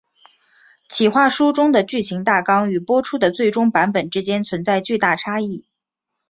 企划书中的剧情大纲与播出的最终版本之间存在巨大差异。